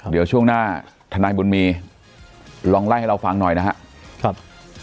เดี๋ยวช่วงหน้าทนายบุญมีลองไล่ให้เราฟังหน่อยนะครับ